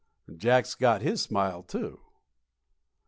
Jacks got his smile, too.